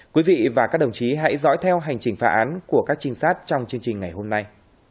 quý vị và các đồng chí hãy dõi theo hành trình phá án của các trinh sát trong chương trình ngày hôm nay